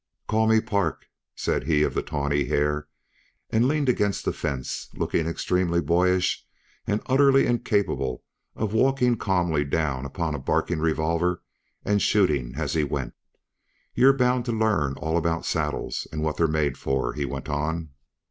"Call me Park," said he of the tawny hair, and leaned against the fence looking extremely boyish and utterly incapable of walking calmly down upon a barking revolver and shooting as he went. "You're bound to learn all about saddles and what they're made for," he went on.